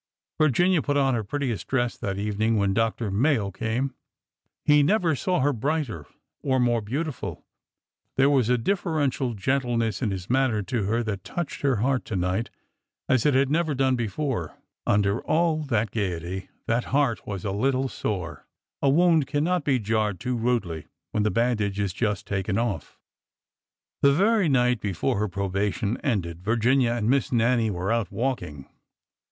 Virginia put on her prettiest dress that evening when Dr. Mayo came. He never saw her brighter or more beautiful. There was a deferential gentleness in his man 25 386 ORDER NO. 11 ner to her that touched her heart to night as it had never done before. Under all her gaiety that heart was a little sore. A wound cannot be jarred too rudely when the bandage is just taken off. The very night before her probation ended Virginia and Miss Nannie were out walking.